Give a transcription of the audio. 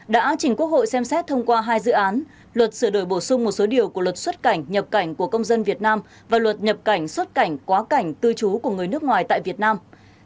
đã trình quốc hội xem xét thông qua hai dự án luật sửa đổi bổ sung một số điều của luật xuất cảnh nhập cảnh của công dân việt nam và luật nhập cảnh xuất cảnh quá cảnh cư trú của người nước ngoài tại việt nam